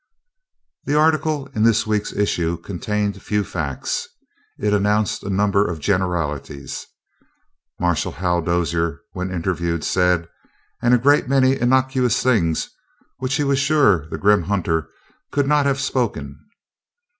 The article in this week's issue contained few facts. It announced a number of generalities: "Marshal Hal Dozier, when interviewed, said " and a great many innocuous things which he was sure that grim hunter could not have spoken.